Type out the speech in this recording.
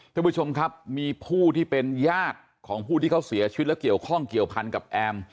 ท่านผู้ชมครับมีผู้ที่เป็นญาติของผู้ที่เขาเสียชีวิตแล้วเกี่ยวข้องเกี่ยวพันกับแอม